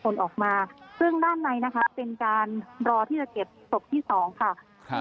คนออกมาซึ่งด้านในนะคะเป็นการรอที่จะเก็บศพที่สองค่ะครับ